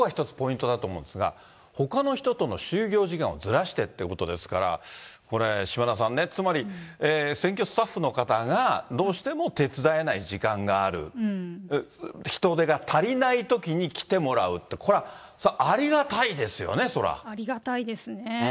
ここが一つポイントだと思うんですが、ほかの人との就業時間をずらしてっていうことですから、これ、島田さんね、つまり、選挙スタッフの方がどうしても手伝えない時間がある、人手が足りないときに来てもらうって、これ、ありがたいですよね、ありがたいですよね。